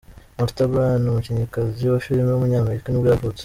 Martha Byrne, umukinnyikazi wa filime w’umunyamerika nibwo yavutse.